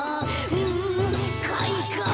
うんかいか！